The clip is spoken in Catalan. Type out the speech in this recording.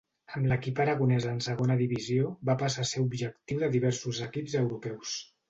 Amb l'equip aragonès en segona divisió va passar a ser objectiu de diversos equips europeus.